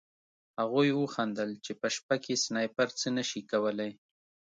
هغوی وخندل چې په شپه کې سنایپر څه نه شي کولی